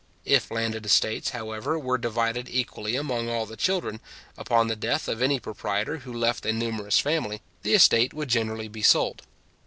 If landed estates, however, were divided equally among all the children, upon the death of any proprietor who left a numerous family, the estate would generally be sold.